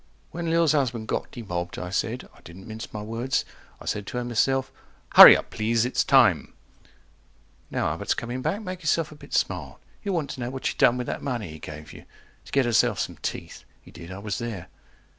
When Lil's husband got demobbed, I said, I didn't mince my words, I said to her myself, 140 HURRY UP PLEASE ITS TIME Now Albert's coming back, make yourself a bit smart. He'll want to know what you done with that money he gave you To get yourself some teeth. He did, I was there.